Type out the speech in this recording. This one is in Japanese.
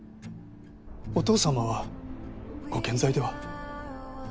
お父さまはご健在では？